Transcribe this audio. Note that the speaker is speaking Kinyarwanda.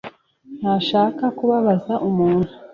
ntashaka kubabaza umuntu.